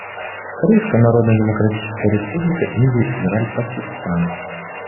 Корейская Народно-Демократическая Республика, Индия, Израиль, Пакистан.